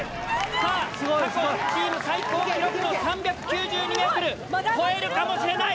さあ過去チーム最高記録の３９２ｍ超えるかもしれない！